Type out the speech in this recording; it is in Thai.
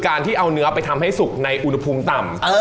ที่เอาเนื้อไปทำให้สุกในอุณหภูมิต่ำ